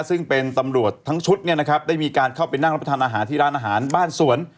ซึ่งเป็นตำรวจทั้งชุดเนี่ยนะครับได้มีการเข้าไปนั่งรับประทานอาหารที่ร้านอาหารบ้านสวน